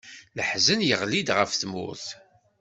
Laḥzen yeɣli-d ɣef tmurt.